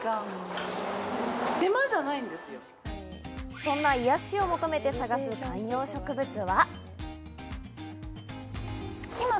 そんな癒やしを求めて探す観葉植物は。